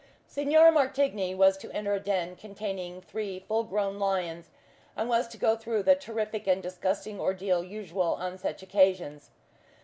Signor Martigny was to enter a den containing three full grown lions, and was to go through the terrific and disgusting ordeal usual on such occasions.